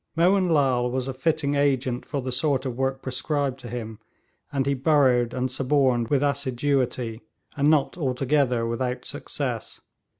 Mohun Lal was a fitting agent for the sort of work prescribed to him, and he burrowed and suborned with assiduity, and not altogether without success.